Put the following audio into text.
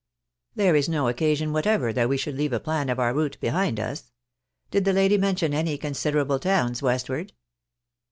There is no occasion whatever that we should leave a plan of our route behind us. Did the lady mention any considerable towns westward?"